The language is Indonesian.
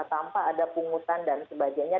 tanpa ada pungutan dan sebagainya